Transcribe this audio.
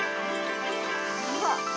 うわっ！